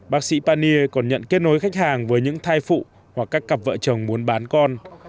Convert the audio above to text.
bác sĩ panier còn nhận kết nối khách hàng với những thai phụ hoặc các cặp vợ chồng muốn bán con